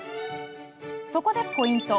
そこでポイント。